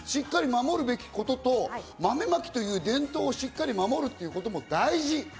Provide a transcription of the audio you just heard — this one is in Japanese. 守るべきことと豆まきという伝統をしっかり守るということも大事。